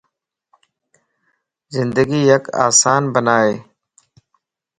زندگي يڪ آسان بنائي